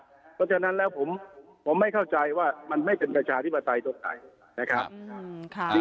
เพราะฉะนั้นแล้วผมไม่เข้าใจว่ามันไม่เป็นประชาธิปไตยตรงไหนนะครับ